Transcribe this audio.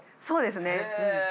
そうですね。